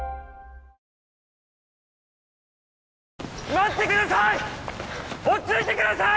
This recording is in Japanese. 待ってください！